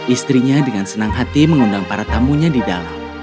istrinya dengan senang hati mengundang para tamunya di dalam